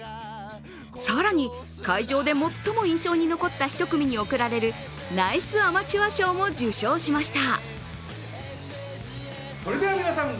更に、会場で最も印象に残った１組に贈られるナイスアマチュア賞も受賞しました。